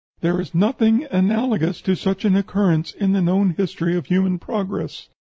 There is nothing analogous to such an occurrence in the known history of human progress.